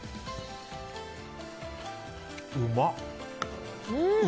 うまっ！